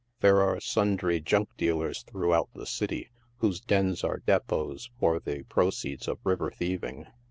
There are sundry junk dealers throughout the city, whose dens are depots for the proceeds of river thieving.